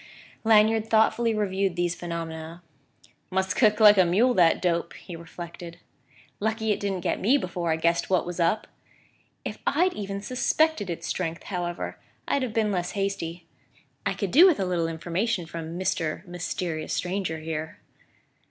Lanyard thoughtfully reviewed these phenomena. "Must kick like a mule, that dope!" he reflected. "Lucky it didn't get me before I guessed what was up! If I'd even suspected its strength, however, I'd have been less hasty: I could do with a little information from Mr. Mysterious Stranger here!"